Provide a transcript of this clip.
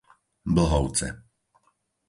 Blhovce